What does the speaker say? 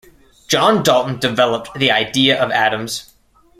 John Dalton developed the idea of atoms.